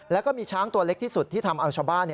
แล้วก็มีช้างตัวเล็กที่สุดที่ทำเอาชาวบ้าน